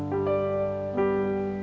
gak ada apa apa